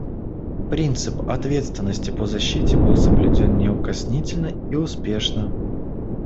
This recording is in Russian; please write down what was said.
Принцип «ответственности по защите» был соблюден неукоснительно и успешно.